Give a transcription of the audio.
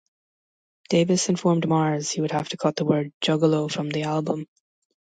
Davis informed Marz he would have to cut the word "Juggalo" from the album.